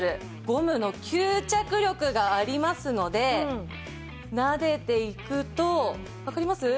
ゴムの吸着力がありますのでなでていくとわかります？